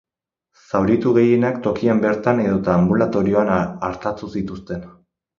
Zauritu gehienak tokian bertan edota anbulatorioan artatu zituzten.